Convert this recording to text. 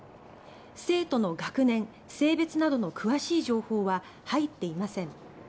生徒の学年・性別などの詳しい情報は入っていません。